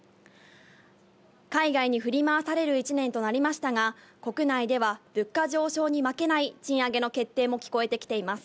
海外に振り回される１年となりましたが、国内では物価上昇に負けない賃上げの決定なども聞こえてきています。